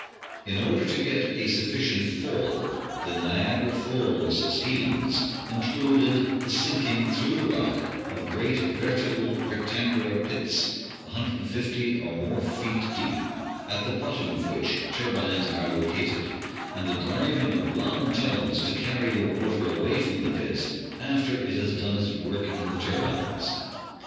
In order to get a sufficient fall, the Niagara Falls schemes Applied Science 811 included the sinking, through the rock, of great vertical rec tangular pits, 150 or more feet deep, at the bottom of which turbines are located, and the driving of long tunnels to carry the water away from the pits after it has done its work in the turbines.